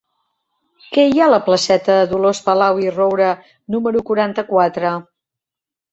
Què hi ha a la placeta de Dolors Palau i Roura número quaranta-quatre?